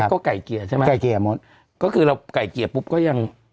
ก็ไก่เกียร์ใช่มั้ยก็คือเราไก่เกียร์ปุ๊บก็ยัง